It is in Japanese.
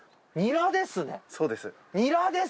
そうです。